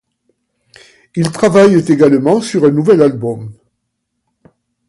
Ils travaillent également sur un nouvel album.